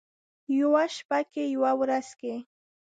یوه شپه که یوه ورځ کې،